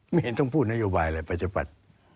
ไม่เห็นต้องพูดนโยบายอะไรประชาภัฐ